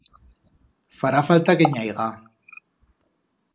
Fará falta que n'i haiga.